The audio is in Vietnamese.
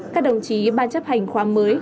các đồng chí ban chấp hành khoa mới